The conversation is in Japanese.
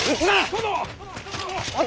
殿！